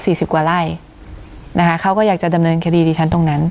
สิบกว่าไร่นะคะเขาก็อยากจะดำเนินคดีดิฉันตรงนั้น